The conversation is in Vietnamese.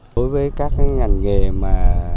đối với các ngành nghề mà